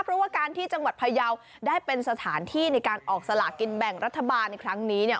เพราะว่าการที่จังหวัดพยาวได้เป็นสถานที่ในการออกสลากินแบ่งรัฐบาลในครั้งนี้เนี่ย